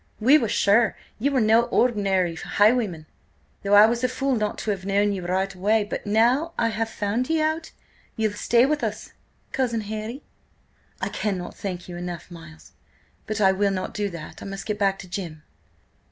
We were sure ye were no ordinary highwayman, though I was a fool not to have known ye right away. But now I have found ye out, ye'll stay with us–Cousin Harry?" "I cannot thank you enough, Miles, but I will not do that. I must get back to Jim."